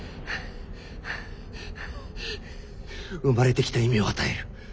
生まれてきた意味を与える。